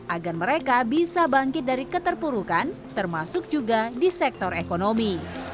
agar mereka bisa bangkit dari keterpurukan termasuk juga di sektor ekonomi